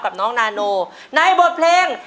กับน้องนาโนในบทเพลง